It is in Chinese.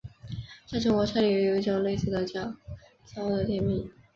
在中国菜里也有一种类似的叫做醪糟的甜品。